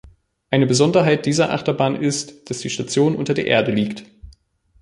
Eine Besonderheit dieser Achterbahn ist, dass die Station unter der Erde liegt.